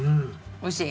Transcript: おいしい！